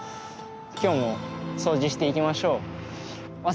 今日も掃除していきましょう。